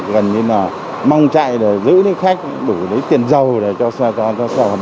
gần như là mong chạy để giữ cái khách đủ lấy tiền giàu để cho xe hoạt động